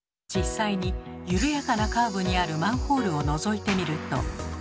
実際に緩やかなカーブにあるマンホールをのぞいてみると。